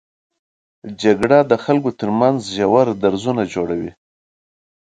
جګړه د خلکو تر منځ ژورې درزونه جوړوي